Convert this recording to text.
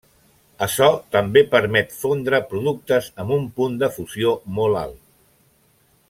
Açò també permet fondre productes amb un punt de fusió molt alt.